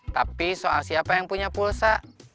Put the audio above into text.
tapi soal siapa yang punya pulsa